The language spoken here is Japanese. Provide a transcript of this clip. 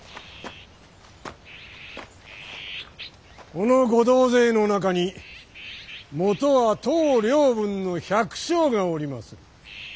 このご同勢の中にもとは当領分の百姓がおりまする。